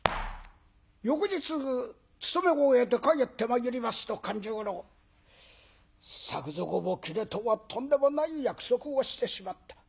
翌日勤めを終えて帰ってまいりますと勘十郎「作蔵を斬れとはとんでもない約束をしてしまった。